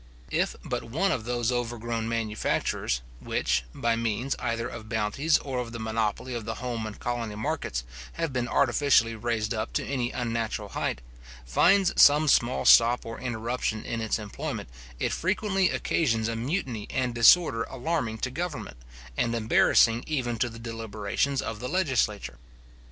If but one of those overgrown manufactures, which, by means either of bounties or of the monopoly of the home and colony markets, have been artificially raised up to any unnatural height, finds some small stop or interruption in its employment, it frequently occasions a mutiny and disorder alarming to government, and embarrassing even to the deliberations of the legislature.